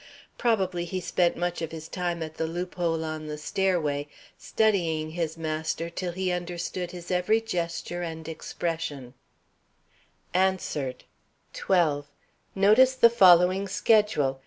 Probably he spent much of his time at the loophole on the stairway, studying his master till he understood his every gesture and expression.] [Sidenote: Answered] 12. Notice the following schedule.